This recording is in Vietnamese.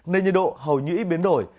nên nhiệt độ hầu như ít biến đổi